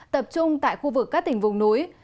tập trung tại khu vực các tỉnh vùng núi